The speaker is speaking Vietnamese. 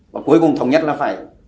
và cuối cùng thống nhất là phải